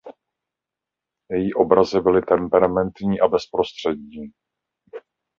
Její obrazy byly temperamentní a bezprostřední.